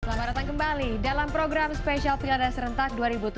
selamat datang kembali dalam program spesial pilihan serentak dua ribu tujuh belas